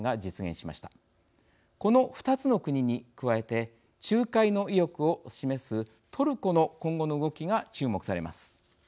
この２つの国に加えて仲介の意欲を示すトルコの今後の動きが注目されます。